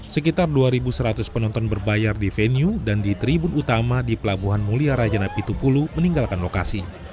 sekitar dua seratus penonton berbayar di venue dan di tribun utama di pelabuhan mulia rajana pitupulu meninggalkan lokasi